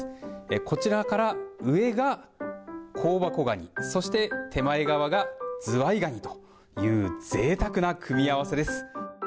こちらから上が香箱蟹そして手前側がズワイガニというぜいたくな組み合わせです。